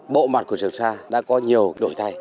bộ mặt của trường sa đã có nhiều đổi thay